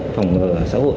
phòng ngừa xã hội